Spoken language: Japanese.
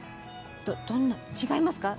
違いますか？